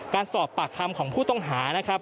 การสอบปากคำของผู้ต้องหานะครับ